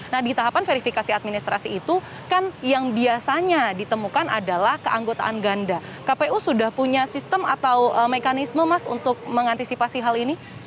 nah di tahapan verifikasi administrasi itu kan yang biasanya ditemukan adalah keanggotaan ganda kpu sudah punya sistem atau mekanisme mas untuk mengantisipasi hal ini